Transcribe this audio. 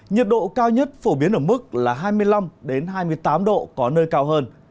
nhiệt độ cao nhất phổ biến ở mức hai mươi năm hai mươi tám độ có nơi cao hơn